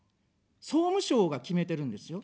総務省が決めてるんですよ。